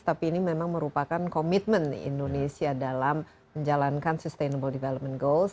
tapi ini memang merupakan komitmen indonesia dalam menjalankan sustainable development goals